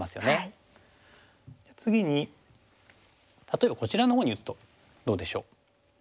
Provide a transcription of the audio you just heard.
次に例えばこちらのほうに打つとどうでしょう？